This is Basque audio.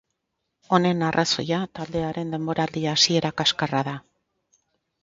Honen arrazoia taldearen denboraldi hasiera kaskarra da.